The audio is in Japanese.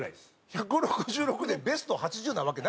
１６６でベスト８０なわけないでしょ。